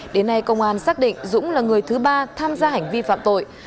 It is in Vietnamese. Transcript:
đến nay công an xác định dũng là người thứ ba tham gia hành vi phạm tội